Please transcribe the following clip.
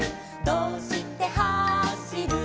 「どうしてはしる」